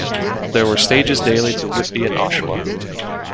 There were stages daily to Whitby and Oshawa.